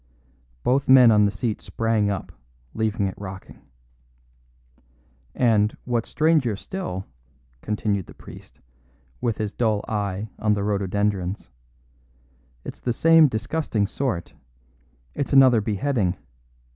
Both men on the seat sprang up, leaving it rocking. "And, what's stranger still," continued the priest, with his dull eye on the rhododendrons, "it's the same disgusting sort; it's another beheading.